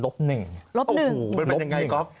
เป็นยังไงก๊อฟ